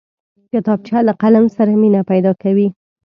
کتابچه له قلم سره مینه پیدا کوي